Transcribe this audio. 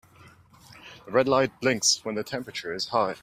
The red light blinks when the temperature is high.